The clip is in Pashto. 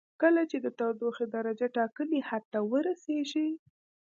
کله چې د تودوخې درجه ټاکلي حد ته ورسیږي.